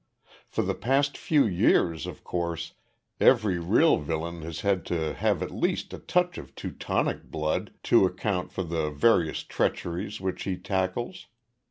"For the past few years, of course, every real villain has had to have at least a touch of Teutonic blood to account for the various treacheries which he tackles.